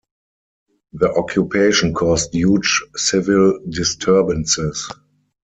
The occupation caused huge civil disturbances.